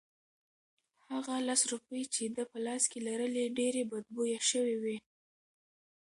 هغه لس روپۍ چې ده په لاس کې لرلې ډېرې بدبویه شوې وې.